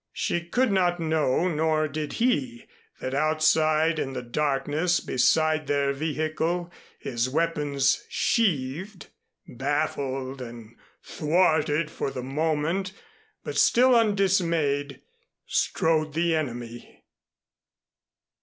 She could not know, nor did he, that outside in the darkness beside their vehicle, his weapons sheathed, baffled and thwarted for the moment, but still undismayed, strode the Enemy.